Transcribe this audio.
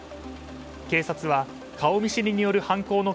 警察は顔見知りによる犯行の